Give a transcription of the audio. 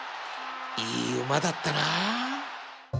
いい馬だったなあ